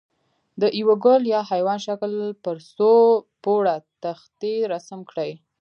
د یوه ګل یا حیوان شکل پر څو پوړه تختې رسم کړئ.